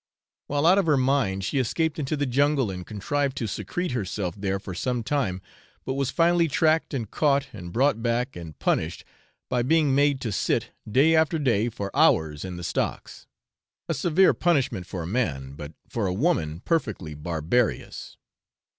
While out of her mind she escaped into the jungle, and contrived to secrete herself there for some time, but was finally tracked and caught, and brought back and punished by being made to sit, day after day, for hours in the stocks a severe punishment for a man, but for a woman perfectly barbarous.